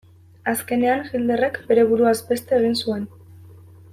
Azkenean Hitlerrek bere buruaz beste egin zuen.